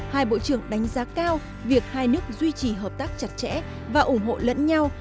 hai bộ trưởng đánh giá cao việc hai nước duy trì hợp tác chặt chẽ và ủng hộ lẫn nhau